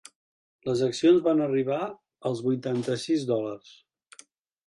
Les accions van arribar als vuitanta-sis dòlars.